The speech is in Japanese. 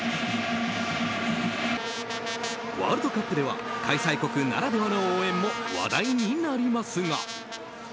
ワールドカップでは開催国ならではの応援も話題になりますが。